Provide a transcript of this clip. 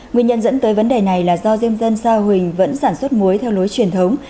nguyên nhân dẫn tới vấn đề này là do diêm dân sa huỳnh vẫn sản xuất muối theo lối truyền thống